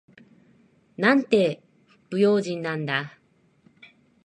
なんて不用心なんだ。